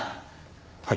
はい。